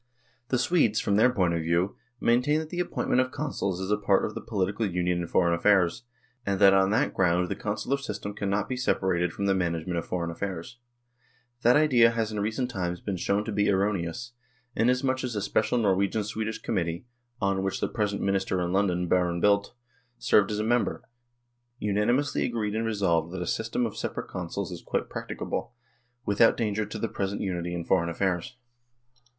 The Swedes, from their point of view, maintain that the appointment of Consuls is a part of the political union in foreign affairs, and that on that ground the Consular system cannot be separated from the management of foreign affairs. That idea has in recent times been shown to be erroneous, inasmuch as a special Norwegian Swedish committee, on which the present Minister in London, Baron Bildt, served as a member, unanimously agreed and resolved that a system of separate Consuls is quite practicable, without danger to the present unity in foreign affairs.